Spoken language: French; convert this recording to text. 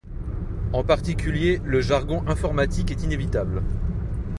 En particulier, le jargon informatique est inévitable.